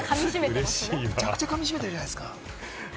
めちゃくちゃ噛みしめてるじゃないですか。